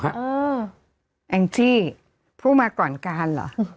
แองจี้ผู้มาก่อนการเหรอ